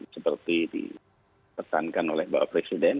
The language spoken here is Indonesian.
seperti ditekankan oleh bapak presiden